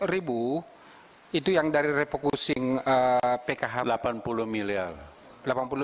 lima puluh ribu itu yang dari refocusing pkh delapan puluh miliar